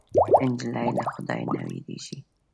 نجلۍ له خدای نه وېرېږي.